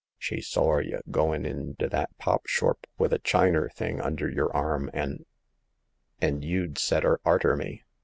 She sawr y' goin' in t' that popshorp with the Chiner thing under yer arm ; an' "^ And you'd set 'er arter me